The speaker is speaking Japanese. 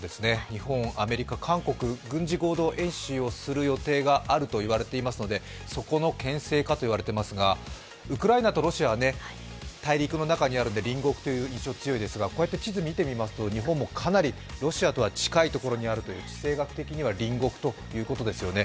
日本、アメリカ、韓国、軍事合同演習をする予定があると言われていますのでそこのけん制かと言われていますがウクライナとロシアは大陸の中にあるので隣国という印象が強いですがこうやって地図を見てみますと、日本はかなりロシアと近いことが分かり地政学的には隣国ということですよね。